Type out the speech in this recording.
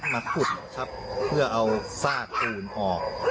มาขุดเพื่อเอาซ่ากออก